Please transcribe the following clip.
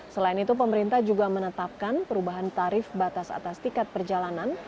selain itu pemerintah juga menetapkan perubahan tarif batas atas tiket perjalanan